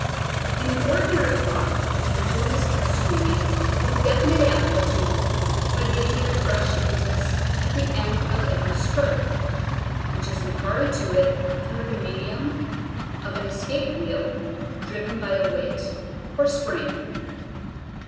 In an ordinary clock the pendulum is kept swinging with a definite amplitude by giving it a fresh impetus at the end of every stroke, which is imparted to it through the medium of an escape wheel, driven by a weight or spring.